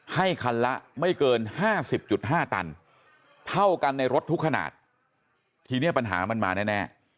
ให้คันละไม่เกิน๕๐๕ตันเท่ากันในรถทุกขนาดทีนี้ปัญหามันมาแน่